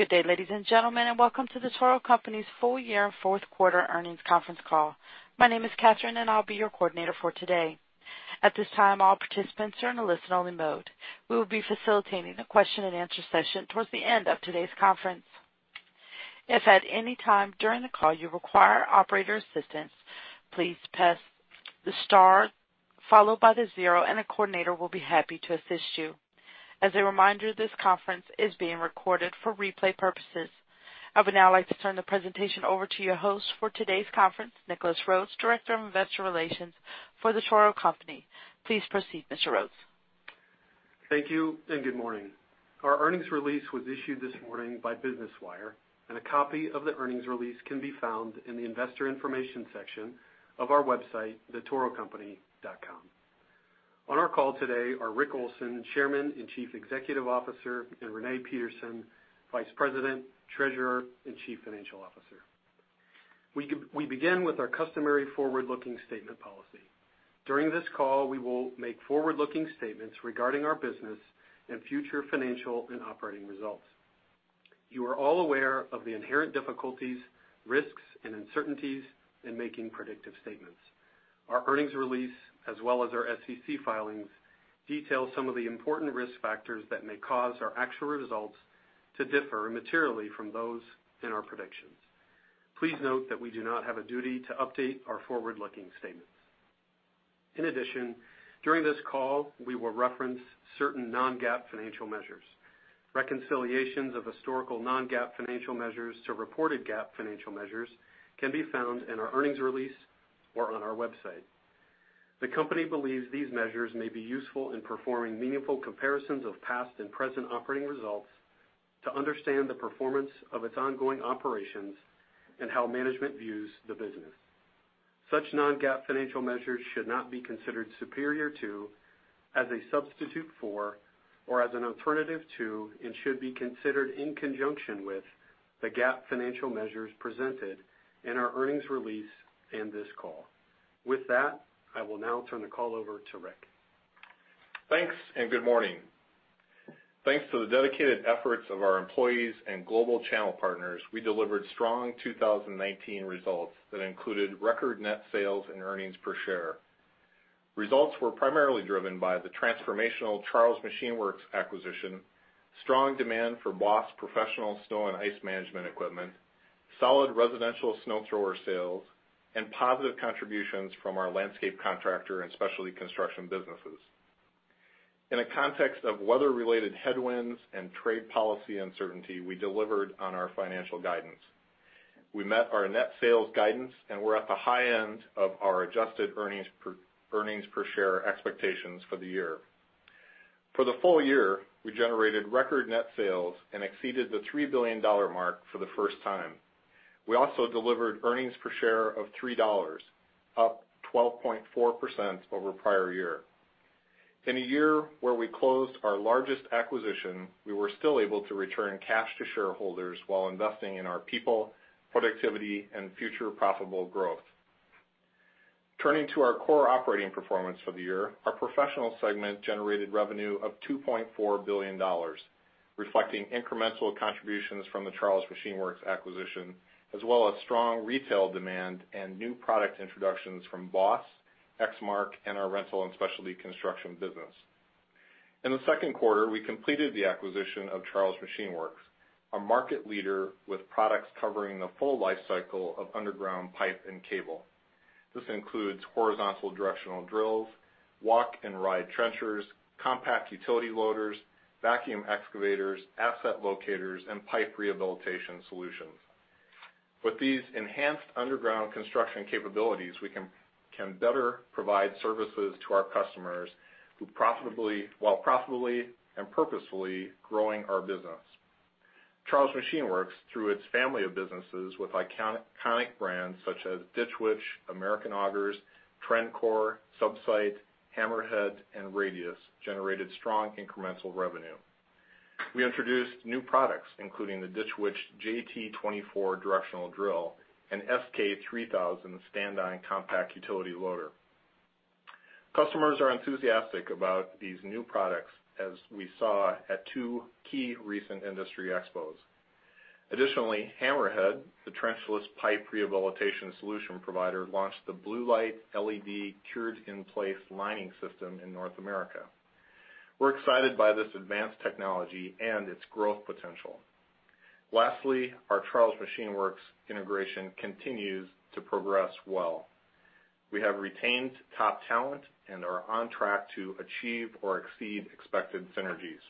Good day, ladies and gentlemen, and welcome to The Toro Company's full year fourth quarter earnings conference call. My name is Catherine and I'll be your coordinator for today. At this time, all participants are in a listen-only mode. We will be facilitating a question and answer session towards the end of today's conference. If at any time during the call you require operator assistance, please press the star followed by the zero and a coordinator will be happy to assist you. As a reminder, this conference is being recorded for replay purposes. I would now like to turn the presentation over to your host for today's conference, Nicholas Rhoads, Director of Investor Relations for The Toro Company. Please proceed, Mr. Rhoads. Thank you, and good morning. Our earnings release was issued this morning by Business Wire, and a copy of the earnings release can be found in the investor information section of our website, thetorocompany.com. On our call today are Rick Olson, Chairman and Chief Executive Officer, and Renee Peterson, Vice President, Treasurer, and Chief Financial Officer. We begin with our customary forward-looking statement policy. During this call, we will make forward-looking statements regarding our business and future financial and operating results. You are all aware of the inherent difficulties, risks, and uncertainties in making predictive statements. Our earnings release, as well as our SEC filings, detail some of the important risk factors that may cause our actual results to differ materially from those in our predictions. Please note that we do not have a duty to update our forward-looking statements. During this call, we will reference certain non-GAAP financial measures. Reconciliations of historical non-GAAP financial measures to reported GAAP financial measures can be found in our earnings release or on our website. The company believes these measures may be useful in performing meaningful comparisons of past and present operating results to understand the performance of its ongoing operations and how management views the business. Such non-GAAP financial measures should not be considered superior to, as a substitute for, or as an alternative to, and should be considered in conjunction with the GAAP financial measures presented in our earnings release and this call. I will now turn the call over to Rick. Thanks. Good morning. Thanks to the dedicated efforts of our employees and global channel partners, we delivered strong 2019 results that included record net sales and earnings per share. Results were primarily driven by the transformational Charles Machine Works acquisition, strong demand for BOSS professional snow and ice management equipment, solid residential snow thrower sales, and positive contributions from our landscape contractor and specialty construction businesses. In a context of weather-related headwinds and trade policy uncertainty, we delivered on our financial guidance. We met our net sales guidance and were at the high end of our adjusted earnings per share expectations for the year. For the full year, we generated record net sales and exceeded the $3 billion mark for the first time. We also delivered earnings per share of $3, up 12.4% over prior year. In a year where we closed our largest acquisition, we were still able to return cash to shareholders while investing in our people, productivity, and future profitable growth. Turning to our core operating performance for the year, our professional segment generated revenue of $2.4 billion, reflecting incremental contributions from the Charles Machine Works acquisition, as well as strong retail demand and new product introductions from BOSS, Exmark, and our rental and specialty construction business. In the second quarter, we completed the acquisition of Charles Machine Works, a market leader with products covering the full life cycle of underground pipe and cable. This includes horizontal directional drills, walk and ride trenchers, compact utility loaders, vacuum excavators, asset locators, and pipe rehabilitation solutions. With these enhanced underground construction capabilities, we can better provide services to our customers while profitably and purposefully growing our business. Charles Machine Works, through its family of businesses with iconic brands such as Ditch Witch, American Augers, Trencor, Subsite, HammerHead, and Radius, generated strong incremental revenue. We introduced new products, including the Ditch Witch JT24 directional drill and SK3000 stand-on compact utility loader. Customers are enthusiastic about these new products, as we saw at two key recent industry expos. HammerHead, the trench-less pipe rehabilitation solution provider, launched the Bluelight LED cured-in-place lining system in North America. We're excited by this advanced technology and its growth potential. Our Charles Machine Works integration continues to progress well. We have retained top talent and are on track to achieve or exceed expected synergies.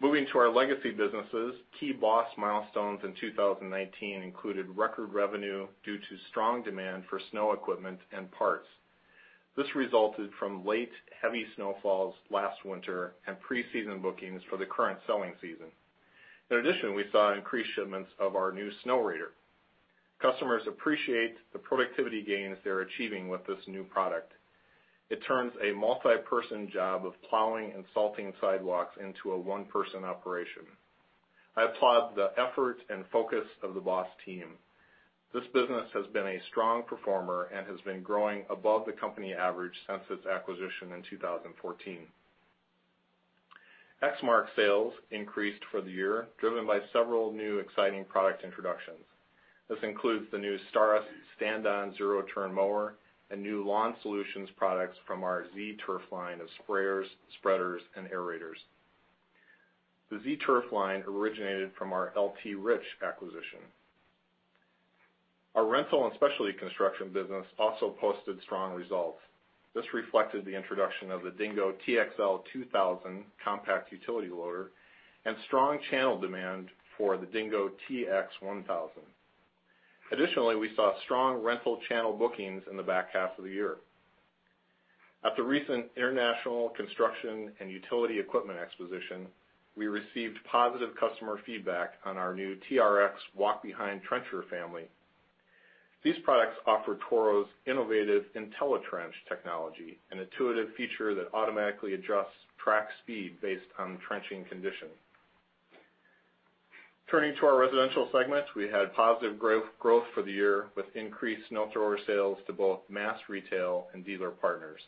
Moving to our legacy businesses, key BOSS milestones in 2019 included record revenue due to strong demand for snow equipment and parts. This resulted from late, heavy snowfalls last winter and pre-season bookings for the current selling season. We saw increased shipments of our new Snowrator. Customers appreciate the productivity gains they're achieving with this new product. It turns a multi-person job of plowing and salting sidewalks into a one-person operation. I applaud the effort and focus of the BOSS team This business has been a strong performer and has been growing above the company average since its acquisition in 2014. Exmark sales increased for the year, driven by several new exciting product introductions. This includes the new Staris stand-on zero-turn mower and new lawn solutions products from our Z Turf line of sprayers, spreaders, and aerators. The Z Turf line originated from our L.T. Rich acquisition. Our rental and specialty construction business also posted strong results. This reflected the introduction of the Dingo TXL 2000 compact utility loader and strong channel demand for the Dingo TX1000. Additionally, we saw strong rental channel bookings in the back half of the year. At the recent International Construction and Utility Equipment Exposition, we received positive customer feedback on our new TRX walk-behind trencher family. These products offer Toro's innovative IntelliTrench technology, an intuitive feature that automatically adjusts track speed based on trenching condition. Turning to our residential segment, we had positive growth for the year with increased snow thrower sales to both mass retail and dealer partners.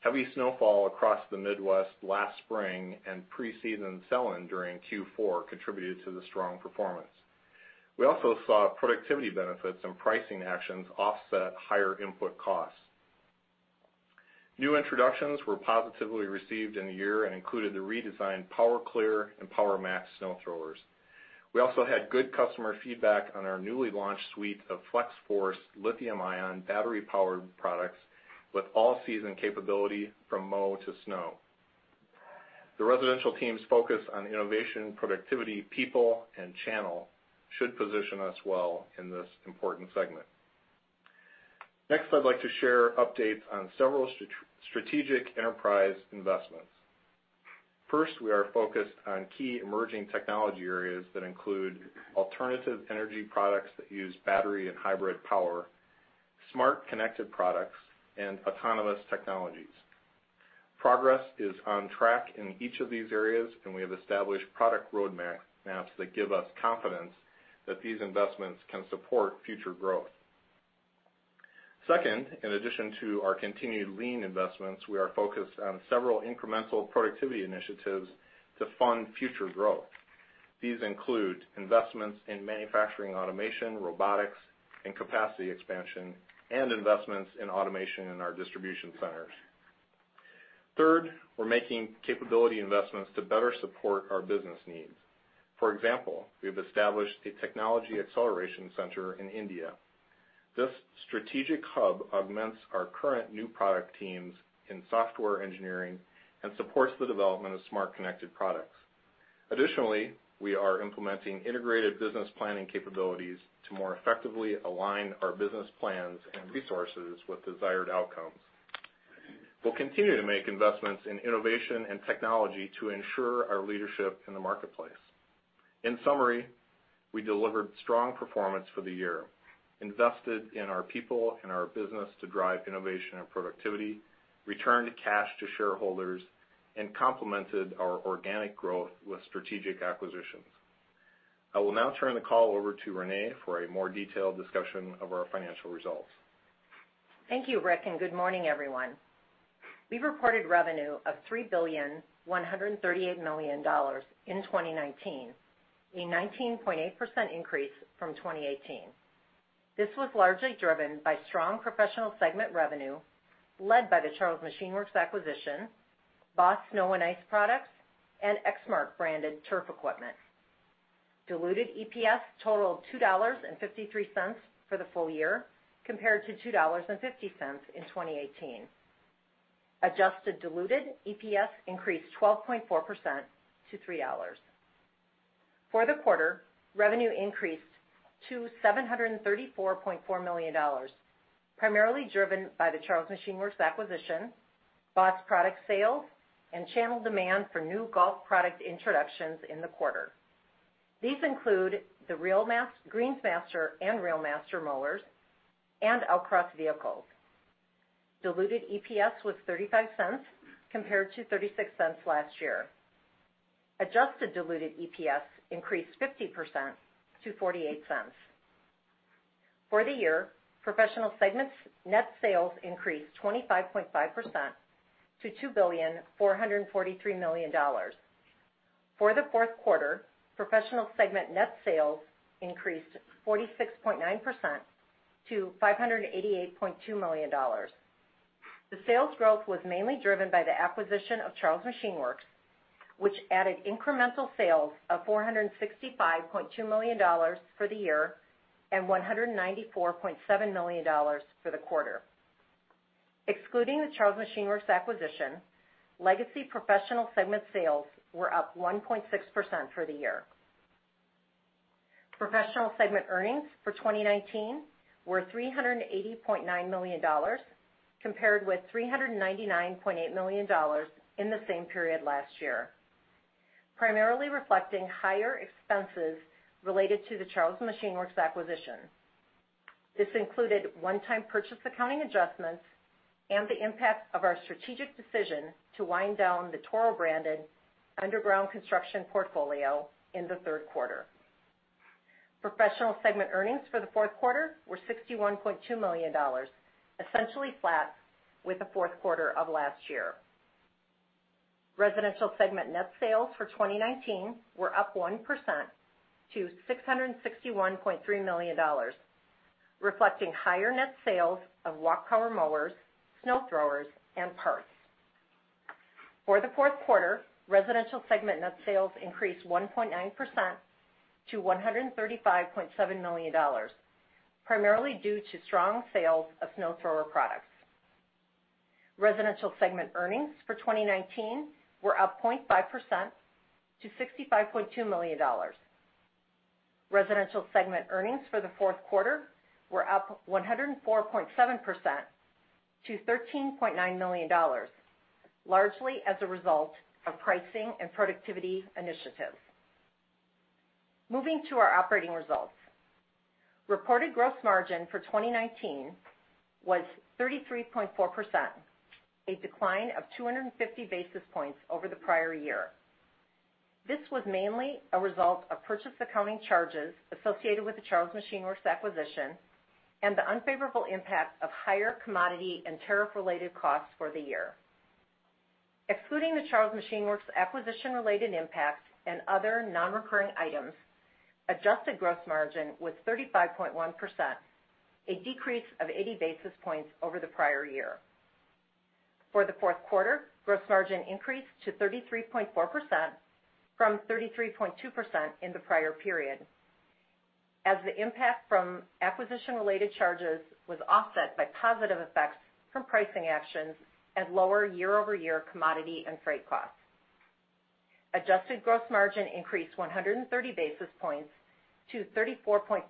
Heavy snowfall across the Midwest last spring and pre-season sell-in during Q4 contributed to the strong performance. We also saw productivity benefits and pricing actions offset higher input costs. New introductions were positively received in the year and included the redesigned Power Clear and Power Max snow throwers. We also had good customer feedback on our newly launched suite of Flex-Force lithium-ion battery-powered products with all-season capability from mow to snow. The residential team's focus on innovation, productivity, people, and channel should position us well in this important segment. Next, I'd like to share updates on several strategic enterprise investments. First, we are focused on key emerging technology areas that include alternative energy products that use battery and hybrid power, smart connected products, and autonomous technologies. Progress is on track in each of these areas, and we have established product roadmaps that give us confidence that these investments can support future growth. Second, in addition to our continued lean investments, we are focused on several incremental productivity initiatives to fund future growth. These include investments in manufacturing, automation, robotics, and capacity expansion, and investments in automation in our distribution centers. Third, we're making capability investments to better support our business needs. For example, we have established a technology acceleration center in India. This strategic hub augments our current new product teams in software engineering and supports the development of smart connected products. Additionally, we are implementing integrated business planning capabilities to more effectively align our business plans and resources with desired outcomes. We'll continue to make investments in innovation and technology to ensure our leadership in the marketplace. In summary, we delivered strong performance for the year, invested in our people and our business to drive innovation and productivity, returned cash to shareholders, and complemented our organic growth with strategic acquisitions. I will now turn the call over to Renee for a more detailed discussion of our financial results. Thank you, Rick, and good morning, everyone. We've reported revenue of $3.138 billion in 2019, a 19.8% increase from 2018. This was largely driven by strong Professional segment revenue, led by The Charles Machine Works acquisition, BOSS snow and ice products, and Exmark-branded turf equipment. Diluted EPS totaled $2.53 for the full year, compared to $2.50 in 2018. Adjusted diluted EPS increased 12.4% to $3. For the quarter, revenue increased to $734.4 million, primarily driven by The Charles Machine Works acquisition, BOSS product sales, and channel demand for new golf product introductions in the quarter. These include the Greensmaster and Reelmaster mowers, and Workman vehicles. Diluted EPS was $0.35, compared to $0.36 last year. Adjusted diluted EPS increased 50% to $0.48. For the year, Professional segment net sales increased 25.5% to $2.443 billion. For the fourth quarter, Professional segment net sales increased 46.9% to $588.2 million. The sales growth was mainly driven by the acquisition of Charles Machine Works, which added incremental sales of $465.2 million for the year and $194.7 million for the quarter. Excluding the Charles Machine Works acquisition, legacy Professional segment sales were up 1.6% for the year. Professional segment earnings for 2019 were $380.9 million, compared with $399.8 million in the same period last year, primarily reflecting higher expenses related to the Charles Machine Works acquisition. This included one-time purchase accounting adjustments. The impact of our strategic decision to wind down the Toro-branded underground construction portfolio in the third quarter. Professional segment earnings for the fourth quarter were $61.2 million, essentially flat with the fourth quarter of last year. Residential segment net sales for 2019 were up 1% to $661.3 million, reflecting higher net sales of walk power mowers, snow throwers, and parts. For the fourth quarter, Residential Segment net sales increased 1.9% to $135.7 million, primarily due to strong sales of snow thrower products. Residential Segment earnings for 2019 were up 0.5% to $65.2 million. Residential Segment earnings for the fourth quarter were up 104.7% to $13.9 million, largely as a result of pricing and productivity initiatives. Moving to our operating results. Reported gross margin for 2019 was 33.4%, a decline of 250 basis points over the prior year. This was mainly a result of purchase accounting charges associated with the Charles Machine Works acquisition and the unfavorable impact of higher commodity and tariff-related costs for the year. Excluding the Charles Machine Works acquisition-related impacts and other non-recurring items, adjusted gross margin was 35.1%, a decrease of 80 basis points over the prior year. For the fourth quarter, gross margin increased to 33.4% from 33.2% in the prior period as the impact from acquisition-related charges was offset by positive effects from pricing actions and lower year-over-year commodity and freight costs. Adjusted gross margin increased 130 basis points to 34.5%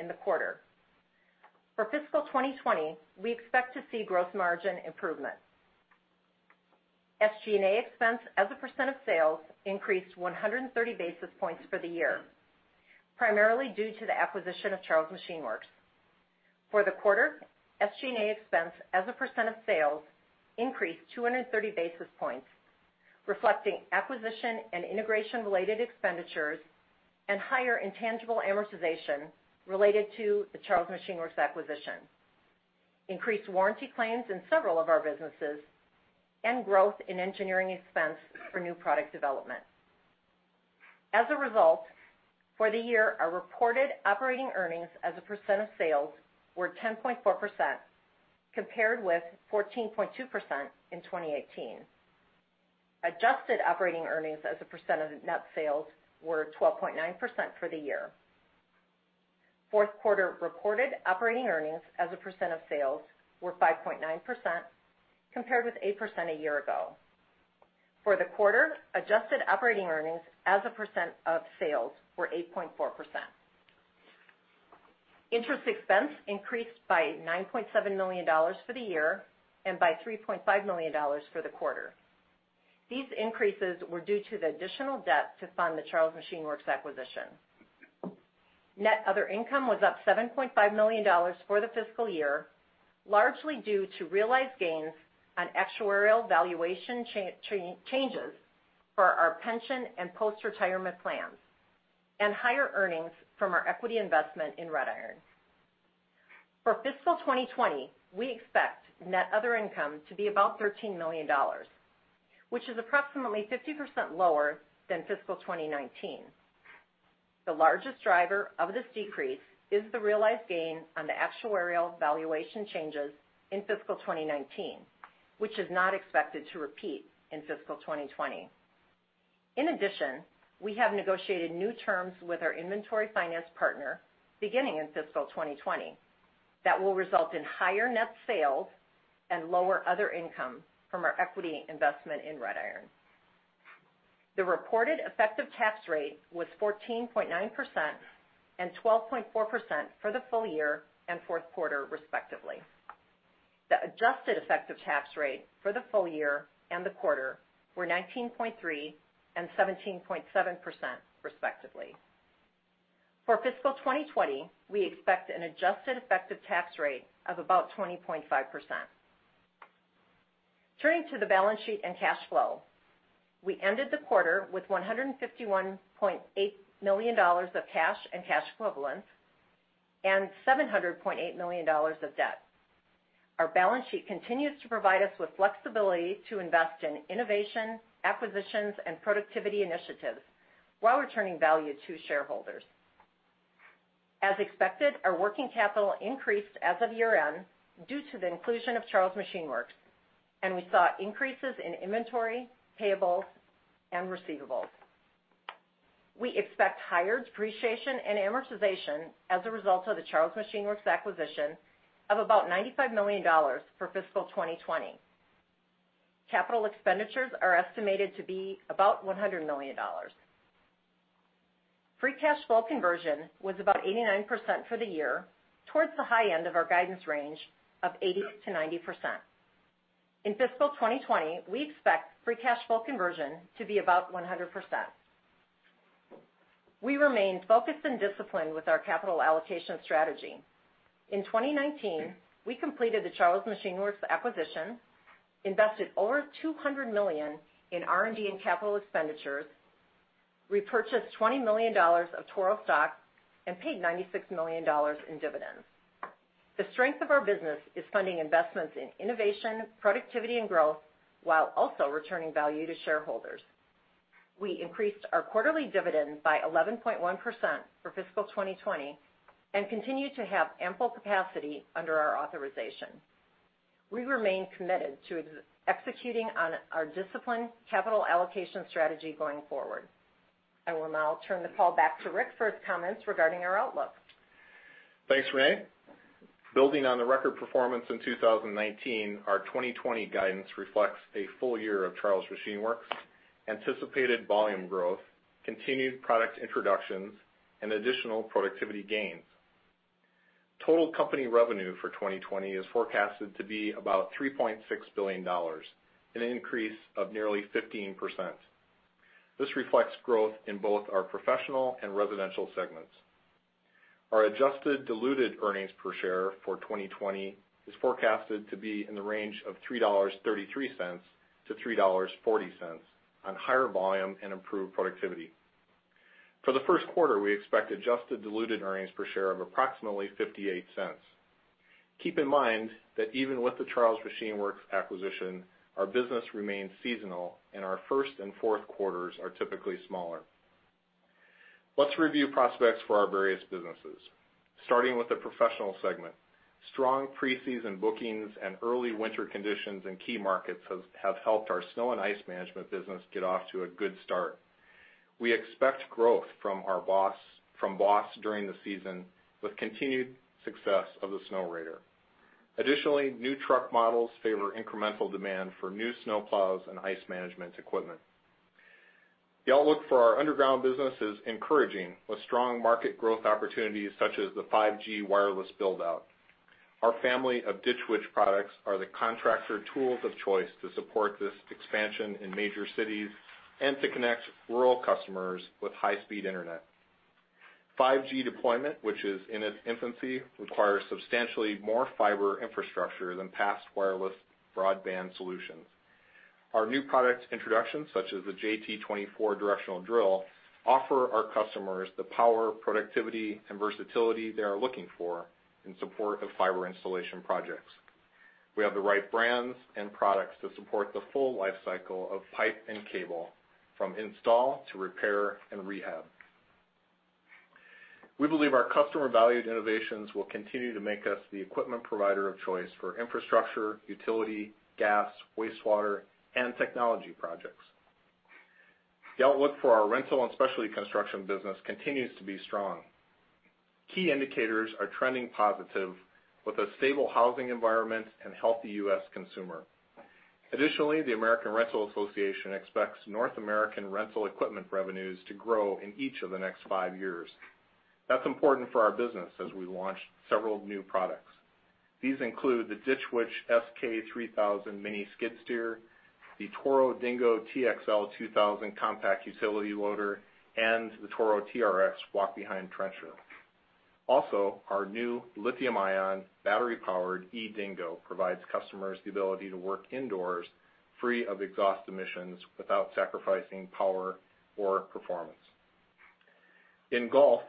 in the quarter. For fiscal 2020, we expect to see gross margin improvement. SG&A expense as a % of sales increased 130 basis points for the year, primarily due to the acquisition of Charles Machine Works. For the quarter, SG&A expense as a % of sales increased 230 basis points, reflecting acquisition and integration-related expenditures and higher intangible amortization related to the Charles Machine Works acquisition, increased warranty claims in several of our businesses, and growth in engineering expense for new product development. As a result, for the year, our reported operating earnings as a % of sales were 10.4%, compared with 14.2% in 2018. Adjusted operating earnings as a percent of net sales were 12.9% for the year. Fourth quarter reported operating earnings as a percent of sales were 5.9%, compared with 8% a year ago. For the quarter, adjusted operating earnings as a percent of sales were 8.4%. Interest expense increased by $9.7 million for the year and by $3.5 million for the quarter. These increases were due to the additional debt to fund the Charles Machine Works acquisition. Net other income was up $7.5 million for the fiscal year, largely due to realized gains on actuarial valuation changes for our pension and post-retirement plans and higher earnings from our equity investment in Red Iron. For fiscal 2020, we expect net other income to be about $13 million, which is approximately 50% lower than fiscal 2019. The largest driver of this decrease is the realized gain on the actuarial valuation changes in fiscal 2019, which is not expected to repeat in fiscal 2020. In addition, we have negotiated new terms with our inventory finance partner beginning in fiscal 2020 that will result in higher net sales and lower other income from our equity investment in Red Iron. The reported effective tax rate was 14.9% and 12.4% for the full year and fourth quarter respectively. The adjusted effective tax rate for the full year and the quarter were 19.3% and 17.7%, respectively. For fiscal 2020, we expect an adjusted effective tax rate of about 20.5%. Turning to the balance sheet and cash flow. We ended the quarter with $151.8 million of cash and cash equivalents and $700.8 million of debt. Our balance sheet continues to provide us with flexibility to invest in innovation, acquisitions, and productivity initiatives while returning value to shareholders. As expected, our working capital increased as of year-end due to the inclusion of Charles Machine Works, and we saw increases in inventory, payables, and receivables. We expect higher depreciation and amortization as a result of the Charles Machine Works acquisition of about $95 million for fiscal 2020. Capital expenditures are estimated to be about $100 million. Free cash flow conversion was about 89% for the year, towards the high end of our guidance range of 80%-90%. In fiscal 2020, we expect free cash flow conversion to be about 100%. We remain focused and disciplined with our capital allocation strategy. In 2019, we completed The Charles Machine Works acquisition, invested over $200 million in R&D and capital expenditures, repurchased $20 million of Toro stock, and paid $96 million in dividends. The strength of our business is funding investments in innovation, productivity, and growth, while also returning value to shareholders. We increased our quarterly dividend by 11.1% for fiscal 2020 and continue to have ample capacity under our authorization. We remain committed to executing on our disciplined capital allocation strategy going forward. I will now turn the call back to Rick for his comments regarding our outlook. Thanks, Renee. Building on the record performance in 2019, our 2020 guidance reflects a full year of Charles Machine Works, anticipated volume growth, continued product introductions, and additional productivity gains. Total company revenue for 2020 is forecasted to be about $3.6 billion, an increase of nearly 15%. This reflects growth in both our professional and residential segments. Our adjusted diluted earnings per share for 2020 is forecasted to be in the range of $3.33-$3.40 on higher volume and improved productivity. For the first quarter, we expect adjusted diluted earnings per share of approximately $0.58. Keep in mind that even with the Charles Machine Works acquisition, our business remains seasonal, and our first and fourth quarters are typically smaller. Let's review prospects for our various businesses. Starting with the professional segment. Strong pre-season bookings and early winter conditions in key markets have helped our snow and ice management business get off to a good start. We expect growth from BOSS during the season, with continued success of the Snowrator. Additionally, new truck models favor incremental demand for new snow plows and ice management equipment. The outlook for our underground business is encouraging, with strong market growth opportunities such as the 5G wireless build-out. Our family of Ditch Witch products are the contractor tools of choice to support this expansion in major cities and to connect rural customers with high-speed internet. 5G deployment, which is in its infancy, requires substantially more fiber infrastructure than past wireless broadband solutions. Our new product introductions, such as the JT24 directional drill, offer our customers the power, productivity, and versatility they are looking for in support of fiber installation projects. We have the right brands and products to support the full life cycle of pipe and cable, from install to repair and rehab. We believe our customer-valued innovations will continue to make us the equipment provider of choice for infrastructure, utility, gas, wastewater, and technology projects. The outlook for our rental and specialty construction business continues to be strong. Key indicators are trending positive with a stable housing environment and healthy U.S. consumer. Additionally, the American Rental Association expects North American rental equipment revenues to grow in each of the next five years. That's important for our business as we launch several new products. These include the Ditch Witch SK3000 mini skid steer, the Toro Dingo TXL 2000 compact utility loader, and the Toro TRX walk-behind trencher. Also, our new lithium-ion battery-powered eDingo provides customers the ability to work indoors free of exhaust emissions without sacrificing power or performance. In golf,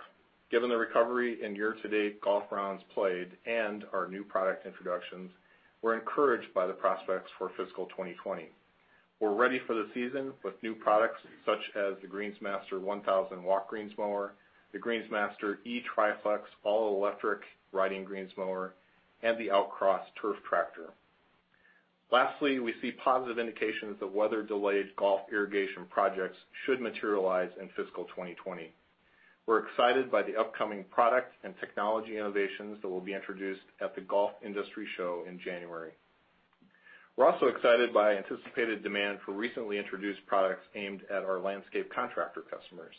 given the recovery in year-to-date golf rounds played and our new product introductions, we're encouraged by the prospects for fiscal 2020. We're ready for the season with new products such as the Greensmaster 1000 walk greens mower, the Greensmaster eTriFlex all-electric riding greens mower, and the Outcross turf tractor. Lastly, we see positive indications that weather-delayed golf irrigation projects should materialize in fiscal 2020. We're excited by the upcoming product and technology innovations that will be introduced at the Golf Industry Show in January. We're also excited by anticipated demand for recently introduced products aimed at our landscape contractor customers.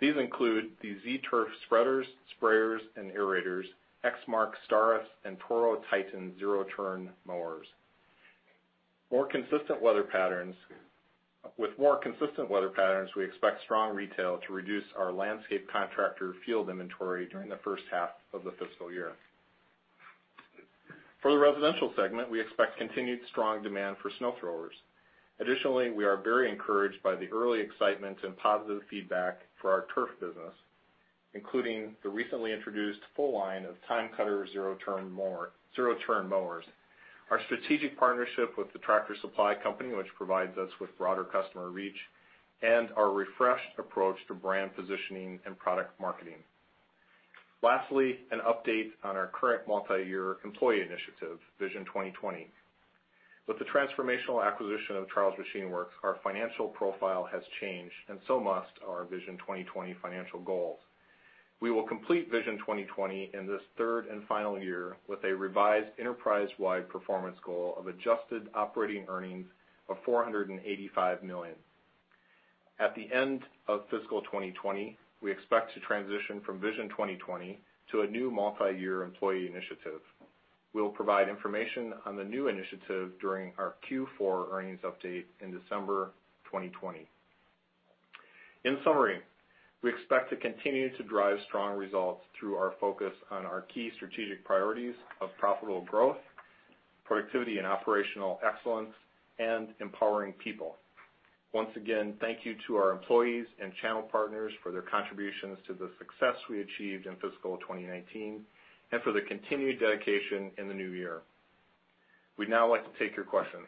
These include the Z Turf spreaders, sprayers, and aerators, Exmark Staris and Toro TITAN zero-turn mowers. With more consistent weather patterns, we expect strong retail to reduce our landscape contractor field inventory during the first half of the fiscal year. For the residential segment, we expect continued strong demand for snow throwers. Additionally, we are very encouraged by the early excitement and positive feedback for our turf business, including the recently introduced full line of TimeCutter zero-turn mowers, our strategic partnership with the Tractor Supply Company, which provides us with broader customer reach, and our refreshed approach to brand positioning and product marketing. Lastly, an update on our current multi-year employee initiative, Vision 2020. With the transformational acquisition of Charles Machine Works, our financial profile has changed and so must our Vision 2020 financial goals. We will complete Vision 2020 in this third and final year with a revised enterprise-wide performance goal of adjusted operating earnings of $485 million. At the end of fiscal 2020, we expect to transition from Vision 2020 to a new multi-year employee initiative. We'll provide information on the new initiative during our Q4 earnings update in December 2020. In summary, we expect to continue to drive strong results through our focus on our key strategic priorities of profitable growth, productivity and operational excellence, and empowering people. Once again, thank you to our employees and channel partners for their contributions to the success we achieved in fiscal 2019, and for the continued dedication in the new year. We'd now like to take your questions.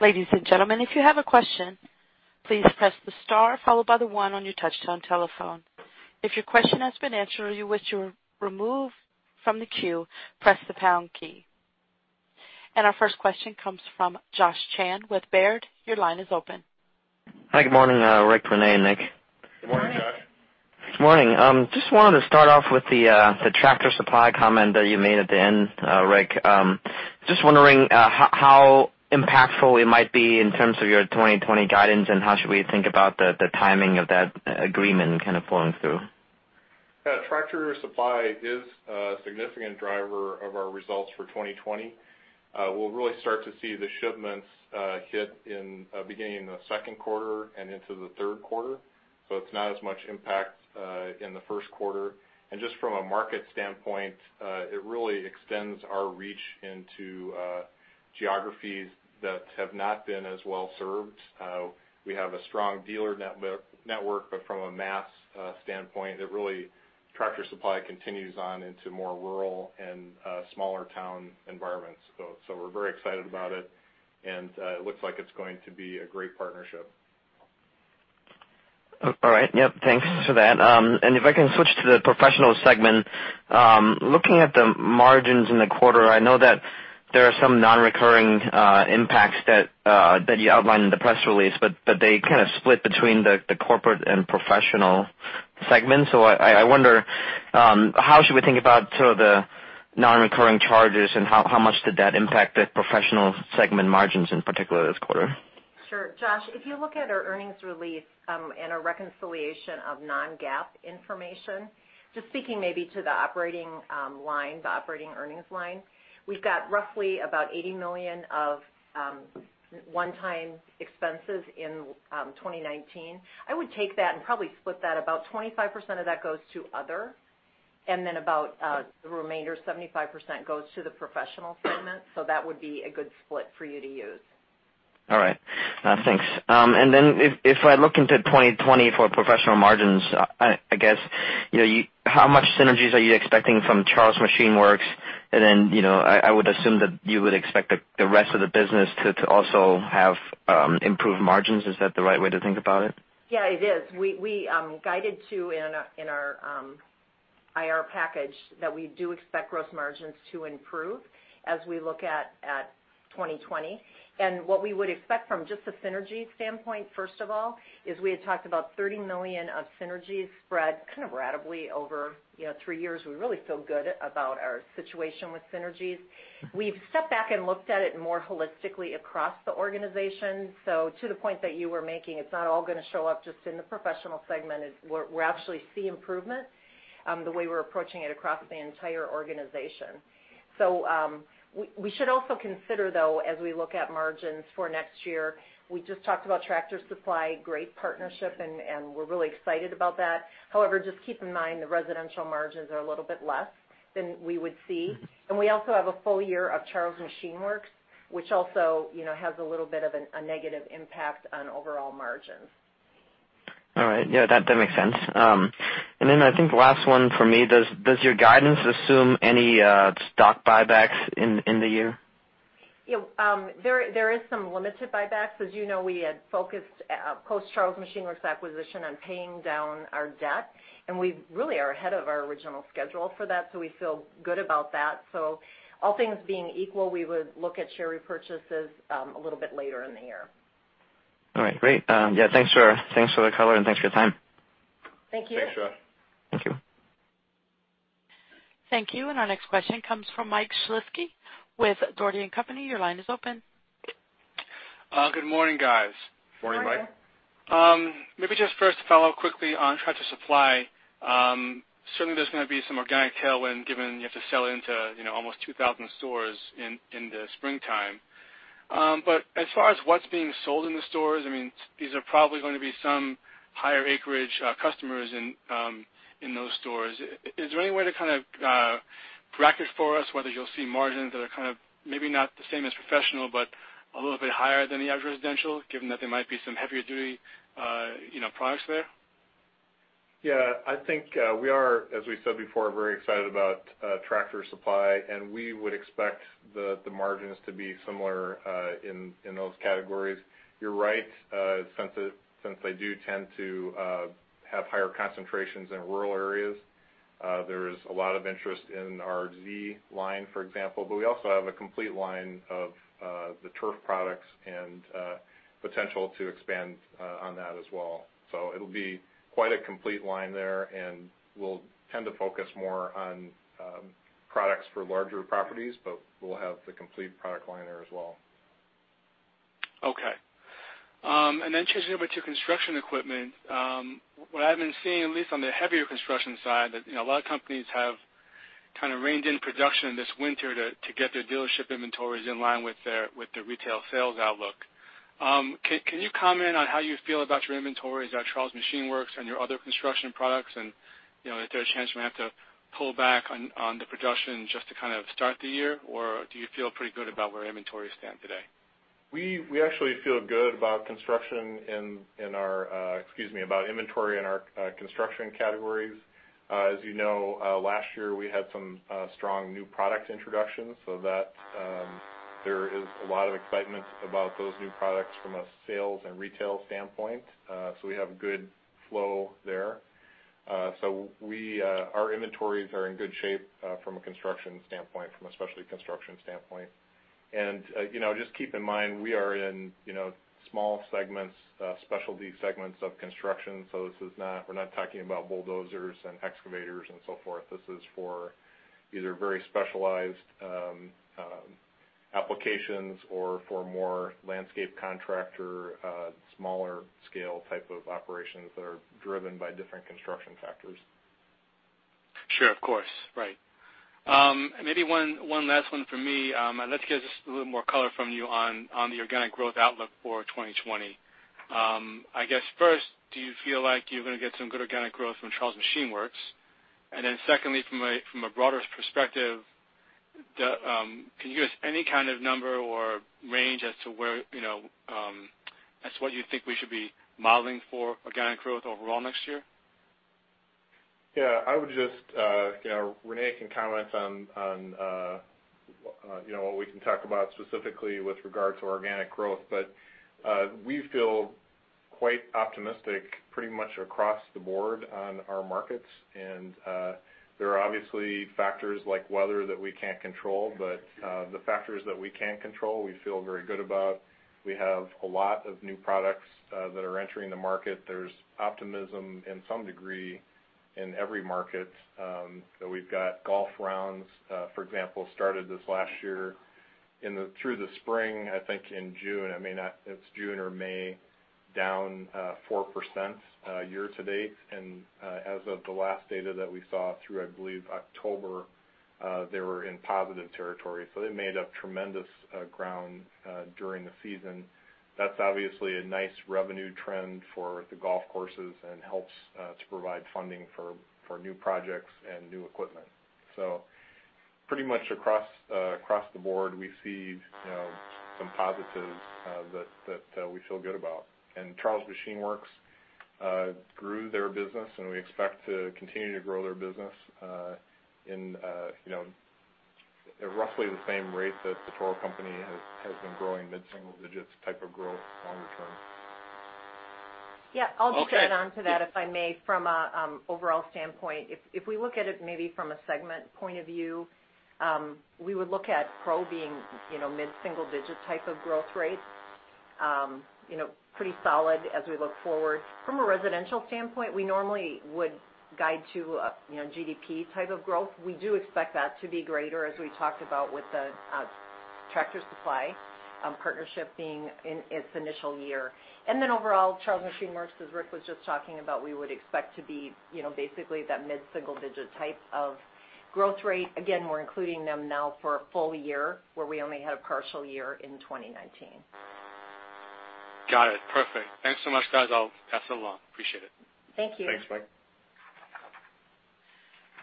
Ladies and gentlemen, if you have a question, please press the star followed by the one on your touch-tone telephone. If your question has been answered or you wish you were removed from the queue, press the pound key. Our first question comes from Josh Chan with Baird. Your line is open. Hi, good morning, Rick, Renee, and Nick. Good morning, Josh. Good morning. Just wanted to start off with the Tractor Supply comment that you made at the end, Rick. Just wondering how impactful it might be in terms of your 2020 guidance, and how should we think about the timing of that agreement kind of flowing through? Yeah. Tractor Supply is a significant driver of our results for 2020. We'll really start to see the shipments hit beginning in the second quarter and into the third quarter. It's not as much impact in the first quarter. Just from a market standpoint, it really extends our reach into geographies that have not been as well-served. We have a strong dealer network, from a mass standpoint, Tractor Supply continues on into more rural and smaller town environments. We're very excited about it, and it looks like it's going to be a great partnership. All right. Yep. Thanks for that. If I can switch to the Professional segment. Looking at the margins in the quarter, I know that there are some non-recurring impacts that you outlined in the press release, but they kind of split between the Corporate and Professional segment. I wonder, how should we think about sort of the non-recurring charges and how much did that impact the Professional segment margins in particular this quarter? Sure. Josh, if you look at our earnings release, and our reconciliation of non-GAAP information, just speaking maybe to the operating line, the operating earnings line, we've got roughly about $80 million of one-time expenses in 2019. I would take that and probably split that. About 25% of that goes to other, and then about the remainder, 75% goes to the professional segment. That would be a good split for you to use. All right. Thanks. If I look into 2020 for professional margins, I guess how much synergies are you expecting from Charles Machine Works? I would assume that you would expect the rest of the business to also have improved margins. Is that the right way to think about it? Yeah, it is. We guided to in our IR package that we do expect gross margins to improve as we look at 2020. What we would expect from just a synergy standpoint, first of all, is we had talked about $30 million of synergies spread kind of ratably over three years. We really feel good about our situation with synergies. We've stepped back and looked at it more holistically across the organization. To the point that you were making, it's not all going to show up just in the professional segment. We're actually seeing improvement the way we're approaching it across the entire organization. We should also consider, though, as we look at margins for next year, we just talked about Tractor Supply, great partnership, and we're really excited about that. Just keep in mind the residential margins are a little bit less than we would see. We also have a full year of Charles Machine Works, which also has a little bit of a negative impact on overall margins. All right. Yeah, that makes sense. I think the last one for me, does your guidance assume any stock buybacks in the year? There is some limited buybacks. As you know, we had focused post Charles Machine Works acquisition on paying down our debt, and we really are ahead of our original schedule for that, so we feel good about that. All things being equal, we would look at share repurchases a little bit later in the year. All right. Great. Yeah, thanks for the color, and thanks for your time. Thank you. Thanks, Josh. Thank you. Thank you. Our next question comes from Mike Shlisky with Dougherty & Company. Your line is open. Good morning, guys. Morning, Mike. Morning. Maybe just first to follow quickly on Tractor Supply. Certainly, there's going to be some organic tailwind given you have to sell into almost 2,000 stores in the springtime. As far as what's being sold in the stores, these are probably going to be some higher acreage customers in those stores. Is there any way to kind of bracket for us whether you'll see margins that are kind of maybe not the same as professional, but a little bit higher than the average residential, given that there might be some heavier-duty products there? Yeah, I think we are, as we said before, very excited about Tractor Supply, and we would expect the margins to be similar in those categories. You're right, since they do tend to have higher concentrations in rural areas there is a lot of interest in our Z line, for example, but we also have a complete line of the turf products and potential to expand on that as well. It'll be quite a complete line there, and we'll tend to focus more on products for larger properties, but we'll have the complete product line there as well. Okay. Then changing over to construction equipment. What I've been seeing, at least on the heavier construction side, that a lot of companies have kind of reined in production this winter to get their dealership inventories in line with the retail sales outlook. Can you comment on how you feel about your inventories at Charles Machine Works and your other construction products? Is there a chance you're going to have to pull back on the production just to kind of start the year, or do you feel pretty good about where inventories stand today? We actually feel good about Excuse me. About inventory in our construction categories. As you know, last year, we had some strong new product introductions, so there is a lot of excitement about those new products from a sales and retail standpoint. We have good flow there. Our inventories are in good shape from a construction standpoint, from a specialty construction standpoint. Just keep in mind, we are in small segments, specialty segments of construction. We're not talking about bulldozers and excavators and so forth. This is for either very specialized applications or for more landscape contractor, smaller scale type of operations that are driven by different construction factors. Sure. Of course. Right. Maybe one last one from me. Let's get just a little more color from you on the organic growth outlook for 2020. I guess, first, do you feel like you're going to get some good organic growth from Charles Machine Works? Secondly, from a broader perspective, can you give us any kind of number or range as to what you think we should be modeling for organic growth overall next year? Renee can comment on what we can talk about specifically with regard to organic growth. We feel quite optimistic pretty much across the board on our markets. There are obviously factors like weather that we can't control, but the factors that we can control, we feel very good about. We have a lot of new products that are entering the market. There's optimism in some degree in every market. We've got golf rounds, for example, started this last year through the spring. I think in June, it's June or May, down 4% year to date. As of the last data that we saw through, I believe, October, they were in positive territory. They made up tremendous ground during the season. That's obviously a nice revenue trend for the golf courses and helps to provide funding for new projects and new equipment. Pretty much across the board, we see some positives that we feel good about. Charles Machine Works grew their business, and we expect to continue to grow their business in roughly the same rate that The Toro Company has been growing, mid-single digits type of growth longer term. I'll just add on to that, if I may. From an overall standpoint, if we look at it maybe from a segment point of view, we would look at Pro being mid-single digit type of growth rate. Pretty solid as we look forward. From a residential standpoint, we normally would guide to a GDP type of growth. We do expect that to be greater as we talked about with the Tractor Supply partnership being in its initial year. Overall, Charles Machine Works, as Rick was just talking about, we would expect to be basically that mid-single digit type of growth rate. We're including them now for a full year where we only had a partial year in 2019. Got it. Perfect. Thanks so much, guys. I'll pass it along. Appreciate it. Thank you. Thanks, Mike.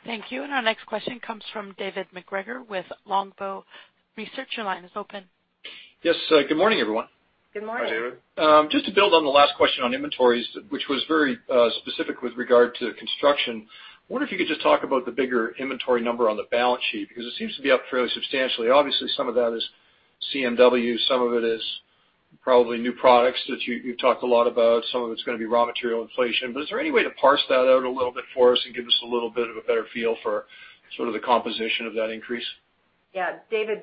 Thank you. Our next question comes from David MacGregor with Longbow Research. Your line is open. Yes. Good morning, everyone. Good morning. Hi, David. Just to build on the last question on inventories, which was very specific with regard to construction, I wonder if you could just talk about the bigger inventory number on the balance sheet, because it seems to be up fairly substantially. Obviously, some of that is CMW, some of it is probably new products that you've talked a lot about. Some of it's going to be raw material inflation. Is there any way to parse that out a little bit for us and give us a little bit of a better feel for sort of the composition of that increase? Yeah, David,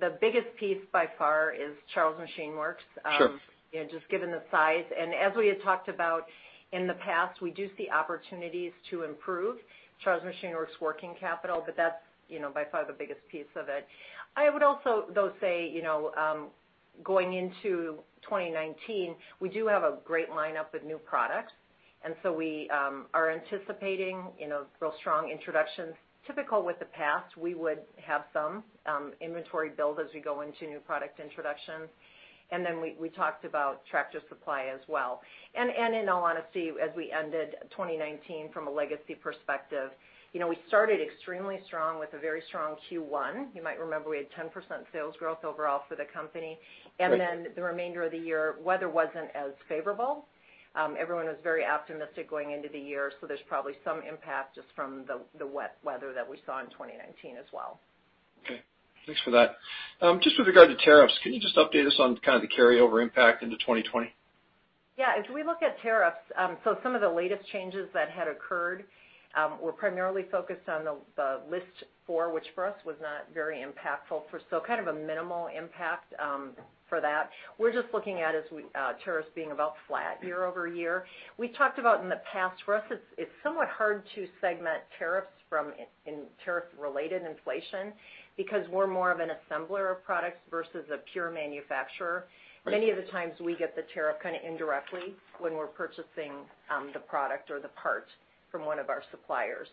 the biggest piece by far is Charles Machine Works. Sure. Just given the size. As we had talked about in the past, we do see opportunities to improve Charles Machine Works' working capital, but that's by far the biggest piece of it. I would also, though, say, going into 2019, we do have a great lineup of new products. So we are anticipating real strong introductions. Typical with the past, we would have some inventory build as we go into new product introductions. Then we talked about Tractor Supply as well. In all honesty, as we ended 2019 from a legacy perspective, we started extremely strong with a very strong Q1. You might remember we had 10% sales growth overall for the company. Then the remainder of the year, weather wasn't as favorable. Everyone was very optimistic going into the year, there's probably some impact just from the wet weather that we saw in 2019 as well. Okay. Thanks for that. Just with regard to tariffs, can you just update us on kind of the carryover impact into 2020? Yeah. As we look at tariffs, some of the latest changes that had occurred were primarily focused on the list 4, which for us was not very impactful. Kind of a minimal impact for that. We're just looking at tariffs being about flat year-over-year. We talked about in the past, for us, it's somewhat hard to segment tariffs from tariff-related inflation because we're more of an assembler of products versus a pure manufacturer. Many of the times we get the tariff kind of indirectly when we're purchasing the product or the part. From one of our suppliers.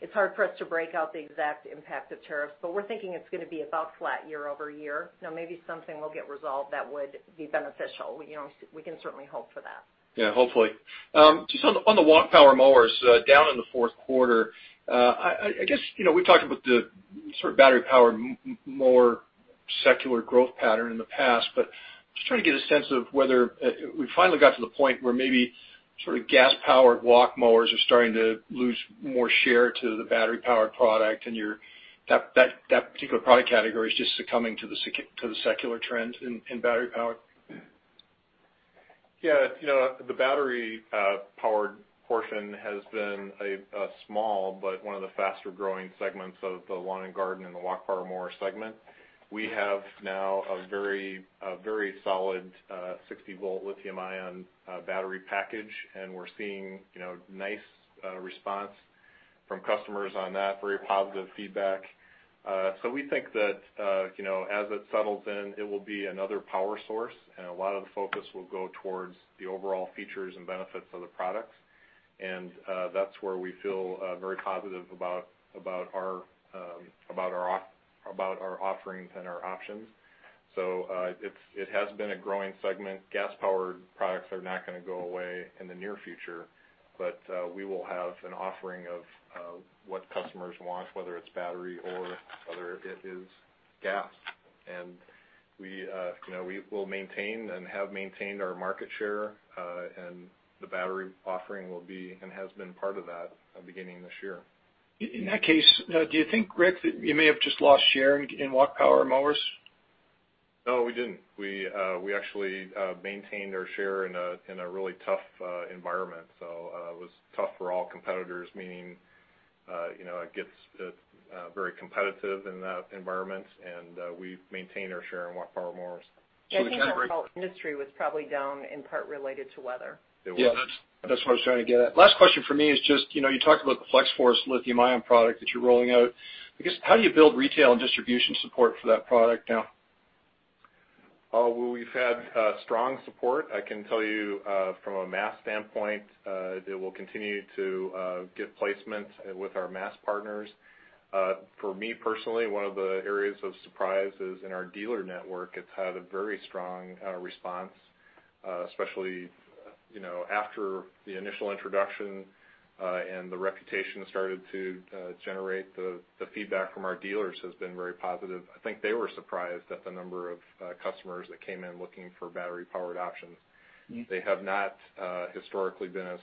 It's hard for us to break out the exact impact of tariffs, but we're thinking it's going to be about flat year-over-year. Now, maybe something will get resolved that would be beneficial. We can certainly hope for that. Yeah, hopefully. Just on the walk power mowers, down in the fourth quarter, I guess we've talked about the sort of battery power mower secular growth pattern in the past, but just trying to get a sense of whether we finally got to the point where maybe sort of gas-powered walk mowers are starting to lose more share to the battery-powered product, and that particular product category is just succumbing to the secular trend in battery power. Yeah. The battery-powered portion has been a small but one of the faster-growing segments of the lawn and garden and the walk power mower segment. We have now a very solid 60-volt lithium-ion battery package, and we're seeing nice response from customers on that. Very positive feedback. We think that as it settles in, it will be another power source, and a lot of the focus will go towards the overall features and benefits of the products. That's where we feel very positive about our offerings and our options. It has been a growing segment. Gas-powered products are not going to go away in the near future, but we will have an offering of what customers want, whether it's battery or whether it is gas. We will maintain and have maintained our market share, and the battery offering will be and has been part of that beginning this year. In that case, do you think, Rick, that you may have just lost share in walk power mowers? No, we didn't. We actually maintained our share in a really tough environment. It was tough for all competitors, meaning it gets very competitive in that environment, and we've maintained our share in walk power mowers. I think the whole industry was probably down in part related to weather. It was. Yeah, that's what I was trying to get at. Last question from me is just, you talked about the Flex-Force lithium-ion product that you're rolling out. I guess, how do you build retail and distribution support for that product now? Well, we've had strong support. I can tell you from a mass standpoint, it will continue to get placement with our mass partners. For me personally, one of the areas of surprise is in our dealer network. It's had a very strong response, especially after the initial introduction, and the reputation started to generate the feedback from our dealers has been very positive. I think they were surprised at the number of customers that came in looking for battery-powered options. They have not historically been as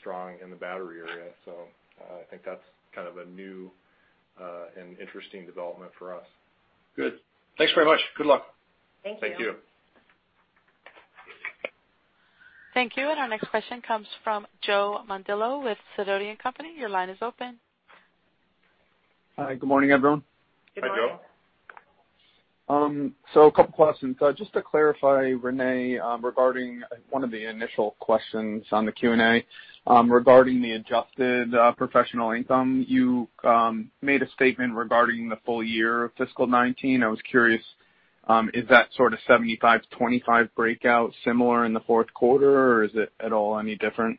strong in the battery area. I think that's kind of a new and interesting development for us. Good. Thanks very much. Good luck. Thank you. Thank you. Thank you, and our next question comes from Joe Mondillo with Sidoti & Company. Your line is open. Hi. Good morning, everyone. Good morning. Hi, Joe. A couple questions. Just to clarify, Renee, regarding one of the initial questions on the Q&A regarding the adjusted professional income. You made a statement regarding the full year of fiscal 2019. I was curious, is that sort of 75/25 breakout similar in the fourth quarter, or is it at all any different?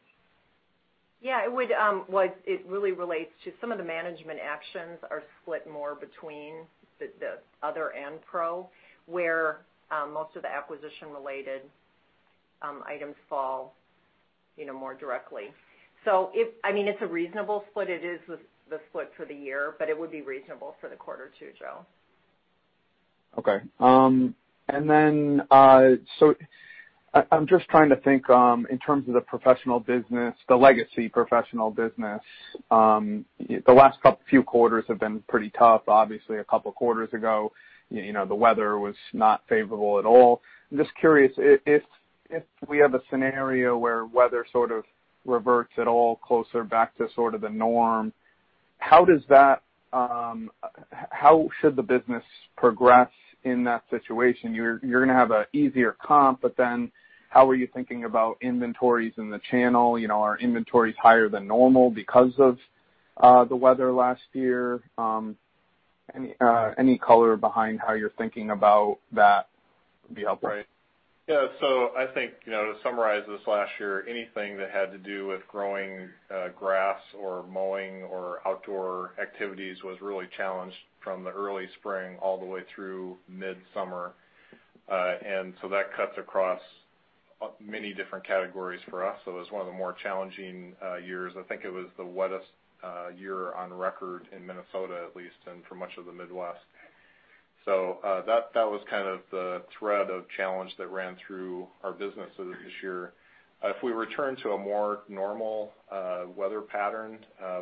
Yeah. It really relates to some of the management actions are split more between the other and pro, where most of the acquisition-related items fall more directly. It's a reasonable split. It is the split for the year, but it would be reasonable for the quarter, too, Joe. Okay. I'm just trying to think in terms of the professional business, the legacy professional business. The last few quarters have been pretty tough. Obviously, a couple of quarters ago, the weather was not favorable at all. I'm just curious if we have a scenario where weather sort of reverts at all closer back to sort of the norm, how should the business progress in that situation? You're going to have an easier comp, how are you thinking about inventories in the channel? Are inventories higher than normal because of the weather last year? Any color behind how you're thinking about that would be helpful. I think to summarize this last year, anything that had to do with growing grass or mowing or outdoor activities was really challenged from the early spring all the way through midsummer. That cuts across many different categories for us. It was one of the more challenging years. I think it was the wettest year on record in Minnesota, at least, and for much of the Midwest. That was kind of the thread of challenge that ran through our businesses this year. If we return to a more normal weather pattern,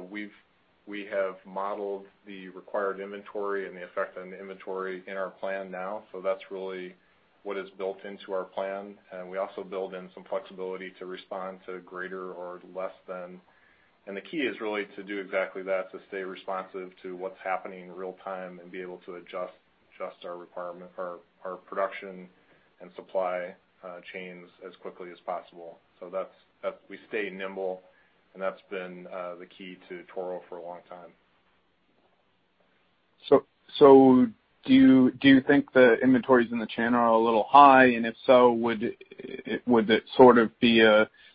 we have modeled the required inventory and the effect on the inventory in our plan now. That is really what is built into our plan, and we also build in some flexibility to respond to greater or less than. The key is really to do exactly that, to stay responsive to what's happening in real time and be able to adjust our requirement for our production and supply chains as quickly as possible. We stay nimble, and that's been the key to Toro for a long time. Do you think the inventories in the channel are a little high? If so, would it sort of be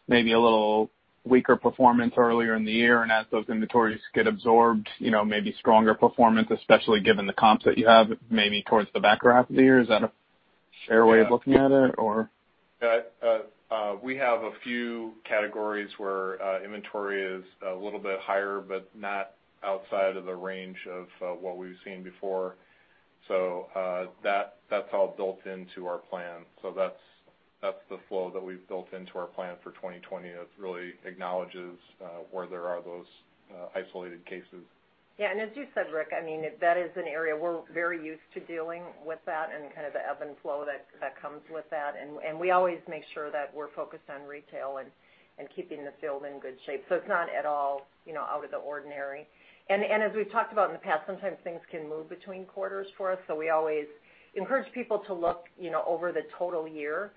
maybe a little weaker performance earlier in the year, and as those inventories get absorbed, maybe stronger performance, especially given the comps that you have, maybe towards the back half of the year? Is that a fair way of looking at it, or? Yeah. We have a few categories where inventory is a little bit higher, but not outside of the range of what we've seen before. That's all built into our plan. That's the flow that we've built into our plan for 2020. It really acknowledges where there are those isolated cases. Yeah. As you said, Rick, that is an area we're very used to dealing with that and kind of the ebb and flow that comes with that. We always make sure that we're focused on retail and keeping the field in good shape. It's not at all out of the ordinary. As we've talked about in the past, sometimes things can move between quarters for us, so we always encourage people to look over the total year,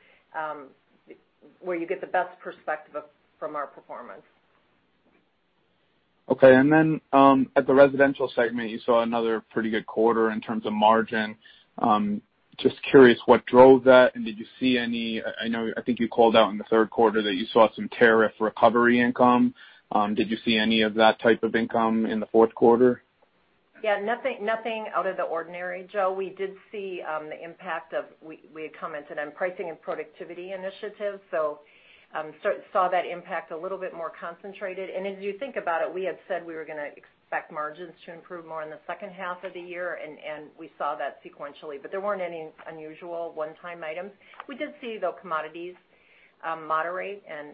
where you get the best perspective from our performance. Okay. At the residential segment, you saw another pretty good quarter in terms of margin. Just curious what drove that. I think you called out in the third quarter that you saw some tariff recovery income. Did you see any of that type of income in the fourth quarter? Yeah. Nothing out of the ordinary, Joe. We had commented on pricing and productivity initiatives. Saw that impact a little bit more concentrated. As you think about it, we had said we were going to expect margins to improve more in the second half of the year, and we saw that sequentially. There weren't any unusual one-time items. We did see, though, commodities moderate and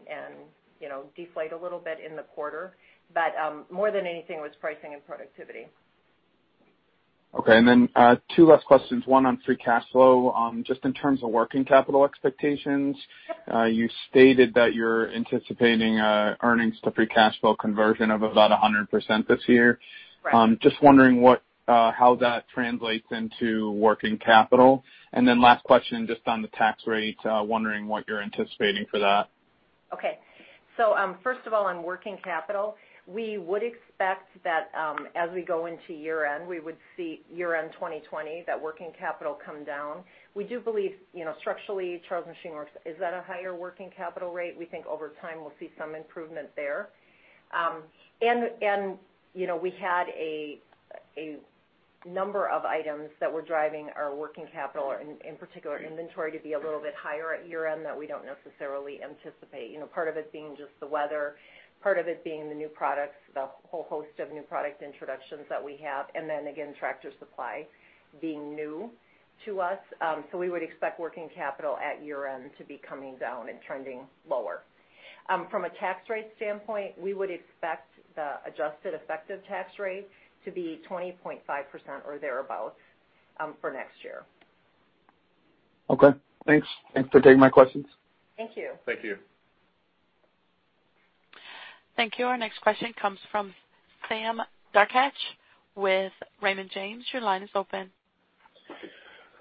deflate a little bit in the quarter. More than anything, it was pricing and productivity. Okay. Two last questions, one on free cash flow. Just in terms of working capital expectations? Yep You stated that you're anticipating earnings to free cash flow conversion of about 100% this year. Right. Just wondering how that translates into working capital. Last question, just on the tax rate, wondering what you're anticipating for that. First of all, on working capital, we would expect that as we go into year-end, we would see year-end 2020, that working capital come down. We do believe, structurally, Charles Machine Works is at a higher working capital rate. We think over time, we'll see some improvement there. We had a number of items that were driving our working capital, in particular, inventory to be a little bit higher at year-end that we don't necessarily anticipate. Part of it being just the weather, part of it being the new products, the whole host of new product introductions that we have, and then again, Tractor Supply being new to us. We would expect working capital at year-end to be coming down and trending lower. From a tax rate standpoint, we would expect the adjusted effective tax rate to be 20.5% or thereabout, for next year. Okay. Thanks for taking my questions. Thank you. Thank you. Thank you. Our next question comes from Sam Darkatsh with Raymond James. Your line is open.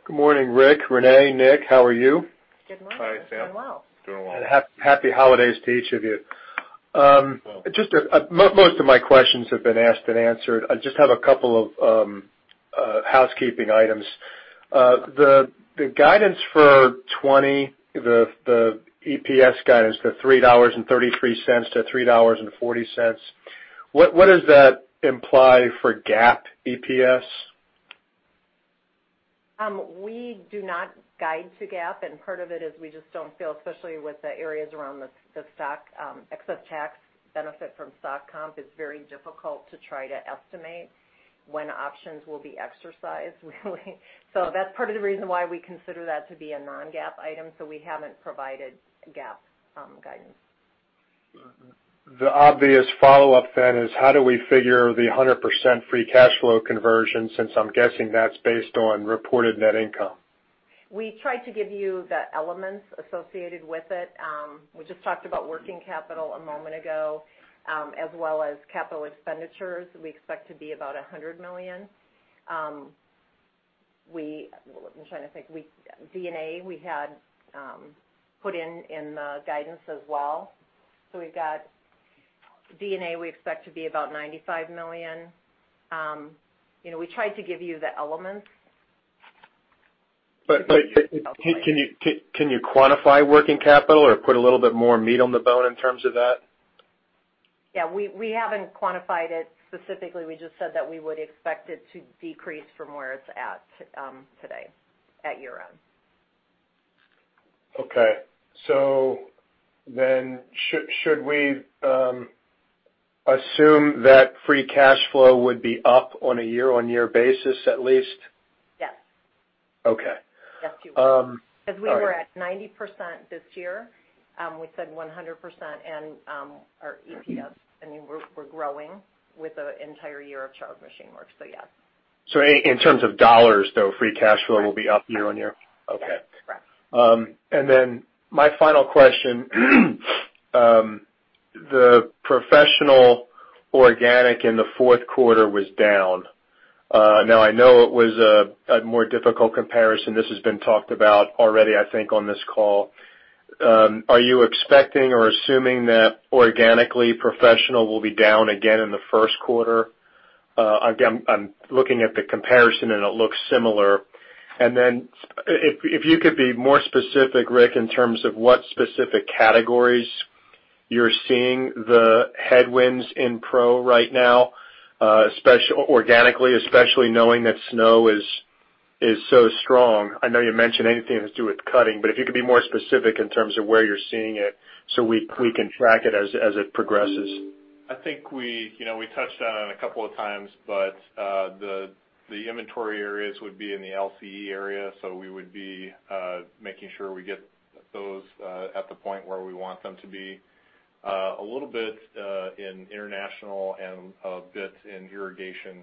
Good morning, Rick, Renee, Nick. How are you? Good morning. Hi, Sam. Doing well. Doing well. Happy holidays to each of you. You too. Most of my questions have been asked and answered. I just have a couple of housekeeping items. The guidance for 2020, the EPS guidance, the $3.33-$3.40, what does that imply for GAAP EPS? We do not guide to GAAP, and part of it is we just don't feel, especially with the areas around the excess tax benefit from stock comp, it's very difficult to try to estimate when options will be exercised, really. That's part of the reason why we consider that to be a non-GAAP item, so we haven't provided GAAP guidance. The obvious follow-up is how do we figure the 100% free cash flow conversion, since I'm guessing that's based on reported net income? We tried to give you the elements associated with it. We just talked about working capital a moment ago, as well as capital expenditures we expect to be about $100 million. I'm trying to think. D&A, we had put in the guidance as well. We've got D&A, we expect to be about $95 million. We tried to give you the elements. Can you quantify working capital or put a little bit more meat on the bone in terms of that? Yeah. We haven't quantified it specifically. We just said that we would expect it to decrease from where it's at today at year-end. Okay. Should we assume that free cash flow would be up on a year-on-year basis, at least? Yes. Okay. Yes. We were at 90% this year. We said 100% and our EPS. We're growing with an entire year of Charles Machine Works. Yes. In terms of dollars, though, free cash flow will be up year-on-year? Yes. Okay. Correct. My final question the professional organic in the fourth quarter was down. Now I know it was a more difficult comparison. This has been talked about already, I think, on this call. Are you expecting or assuming that organically professional will be down again in the first quarter? Again, I'm looking at the comparison, and it looks similar. If you could be more specific, Rick, in terms of what specific categories you're seeing the headwinds in Pro right now, organically, especially knowing that snow is so strong. I know you mentioned anything to do with cutting, but if you could be more specific in terms of where you're seeing it so we can track it as it progresses? I think we touched on it a couple of times, but the inventory areas would be in the LCE area, so we would be making sure we get those at the point where we want them to be. A little bit in international and a bit in irrigation.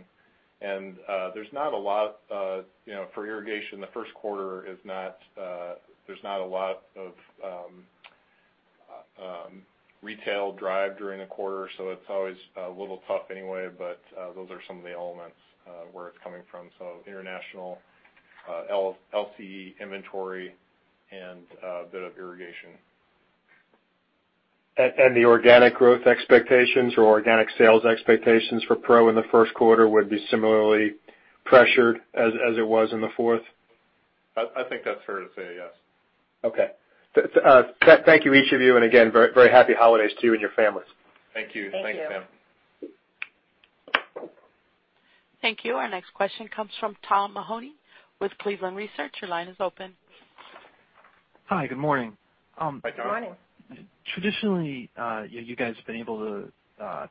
For irrigation, the first quarter, there's not a lot of retail drive during the quarter, so it's always a little tough anyway, but those are some of the elements where it's coming from. International, LCE inventory, and a bit of irrigation. The organic growth expectations or organic sales expectations for Pro in the first quarter would be similarly pressured as it was in the fourth? I think that's fair to say, yes. Okay. Thank you, each of you. Again, very happy holidays to you and your families. Thank you. Thank you. Thanks, Sam. Thank you. Our next question comes from Tom Mahoney with Cleveland Research. Your line is open. Hi, good morning. Hi, Tom. Good morning. Traditionally, you guys have been able to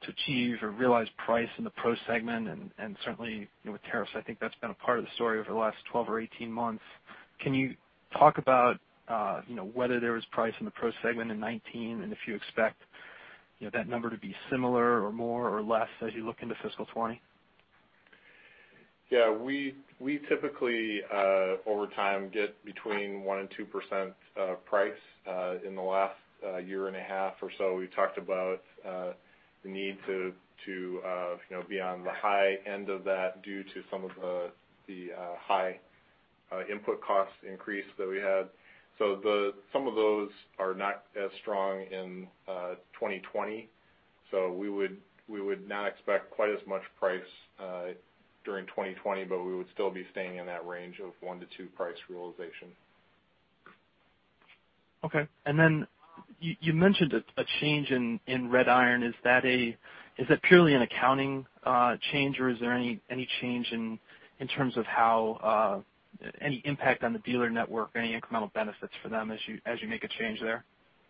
achieve or realize price in the Pro segment, and certainly with tariffs, I think that's been a part of the story over the last 12 or 18 months. Can you talk about whether there was price in the Pro segment in 2019 and if you expect that number to be similar or more or less as you look into fiscal 2020? Yeah. We typically, over time, get between one and 2% price. In the last year and a half or so, we've talked about the need to be on the high end of that due to some of the high input cost increase that we had. Some of those are not as strong in 2020, so we would not expect quite as much price during 2020, but we would still be staying in that range of one to two price realization. Okay. You mentioned a change in Red Iron. Is that purely an accounting change, or is there any change in terms of any impact on the dealer network or any incremental benefits for them as you make a change there?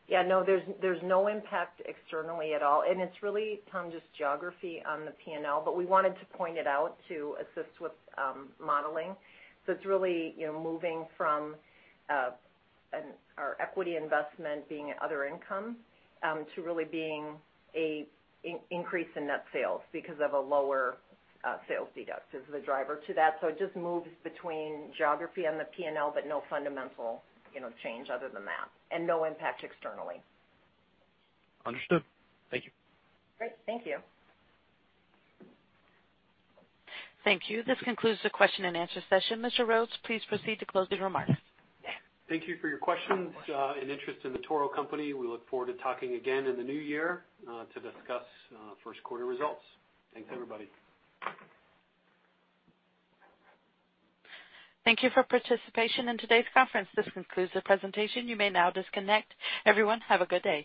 Yeah, no, there's no impact externally at all. It's really, Tom, just geography on the P&L, but we wanted to point it out to assist with modeling. It's really moving from our equity investment being other income to really being an increase in net sales because of a lower sales deduct is the driver to that. It just moves between geography and the P&L, but no fundamental change other than that, and no impact externally. Understood. Thank you. Great. Thank you. Thank you. This concludes the question and answer session. Mr. Rhoads, please proceed to closing remarks. Thank you for your questions and interest in The Toro Company. We look forward to talking again in the new year to discuss first quarter results. Thanks, everybody. Thank you for participation in today's conference. This concludes the presentation. You may now disconnect. Everyone, have a good day.